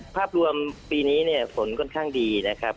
ภาพรวมปีนี้เนี่ยฝนค่อนข้างดีนะครับ